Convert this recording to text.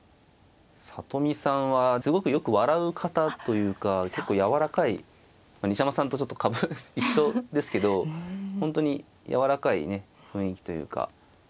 里見さんはすごくよく笑う方というか結構やわらかい西山さんとちょっと一緒ですけど本当にやわらかいね雰囲気というか。